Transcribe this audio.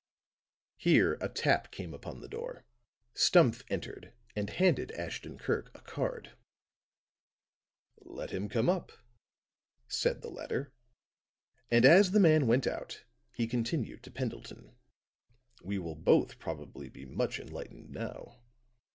Here a tap came upon the door; Stumph entered and handed Ashton Kirk a card. "Let him come up," said the latter; and, as the man went out, he continued to Pendleton. "We will both probably be much enlightened now.